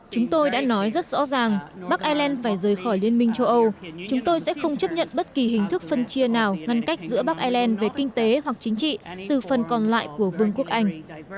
chúng tôi đã nói rất rõ ràng bắc ireland phải rời khỏi liên minh châu âu chúng tôi sẽ không chấp nhận bất kỳ hình thức phân chia nào ngăn cách giữa bắc ireland về kinh tế hoặc chính trị từ phần còn lại của vương quốc anh